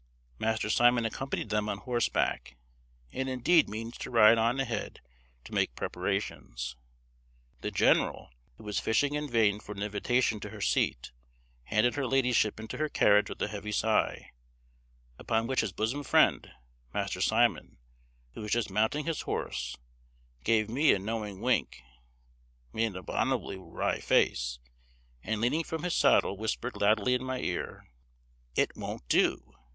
Master Simon accompanied them on horseback, and indeed means to ride on ahead to make preparations. The general, who was fishing in vain for an invitation to her seat, handed her ladyship into her carriage with a heavy sigh; upon which his bosom friend, Master Simon, who was just mounting his horse, gave me a knowing wink, made an abominably wry face, and, leaning from his saddle, whispered loudly in my ear, "It won't do!"